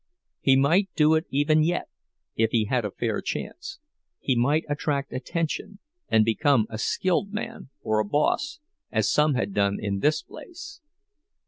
He might do it even yet, if he had a fair chance—he might attract attention and become a skilled man or a boss, as some had done in this place.